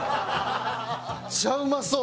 めっちゃうまそう！